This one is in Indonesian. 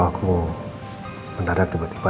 aku mendadak tiba tiba